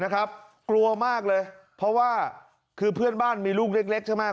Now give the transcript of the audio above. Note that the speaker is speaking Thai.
กลัวมากเลยเพราะว่าเพื่อนบ้านมีลูกเล็กมาก